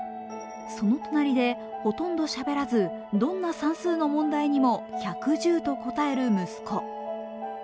その隣でほとんどしゃべらず、どんな算数の問題にも１１０と答える息子。